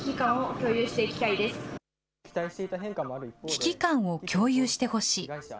危機感を共有してほしい。